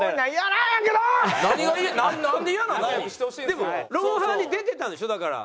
でも『ロンハー』に出てたんでしょ？だから。